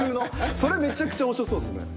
それめちゃくちゃ面白そうっすね。